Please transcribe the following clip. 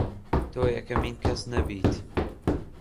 تۆ یەکەمین کەس نەبیت